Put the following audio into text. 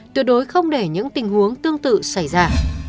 tuyệt đối không để những tình huống tương tự xảy ra